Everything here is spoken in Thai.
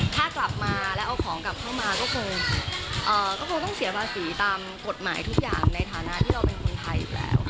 ถ้ากลับมาแล้วเอาของกลับเข้ามาก็คงต้องเสียภาษีตามกฎหมายทุกอย่างในฐานะที่เราเป็นคนไทยอยู่แล้ว